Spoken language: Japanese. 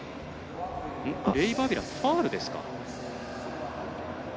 レイバアビラ、ファウルですか。